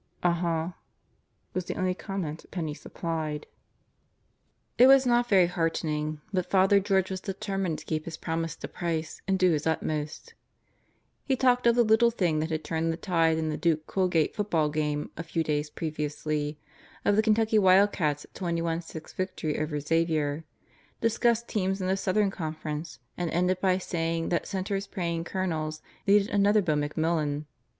"Uh huh," was the only comment Penney supplied. It was not very heartening, but Father George was determined to keep his promise to Price and do his utmost. He talked of the little thing that had turned the tide in the Duke Colgate football game a few days previously; of the Kentucky Wildcats 21 6 victory over Xavier; discussed teams in the Southern Con ference; and ended by saying that Center's Praying Colonels needed another Bo McMillin.